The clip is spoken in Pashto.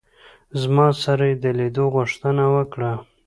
زما سره یې د لیدلو غوښتنه وکړه.